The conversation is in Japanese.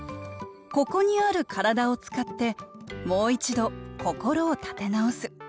ここにある体を使ってもう一度心を立て直す。